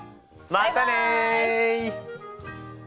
またね。